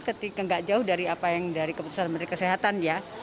ketika gak jauh dari apa yang dari keputusan menteri kesehatan ya